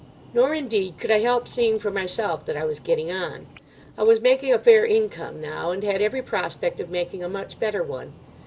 Nor, indeed, could I help seeing for myself that I was getting on. I was making a fair income now, and had every prospect of making a much better one.